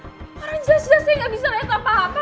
orang jelas jelasnya gak bisa liat apa apa